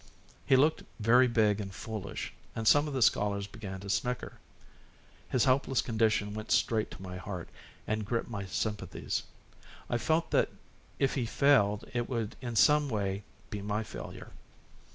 He looked very big and foolish, and some of the scholars began to snicker. His helpless condition went straight to my heart, and gripped my sympathies. I felt that if he failed, it would in some way be my failure.